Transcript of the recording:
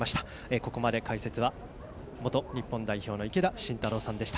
ここまで、解説は元日本代表の池田信太郎さんでした。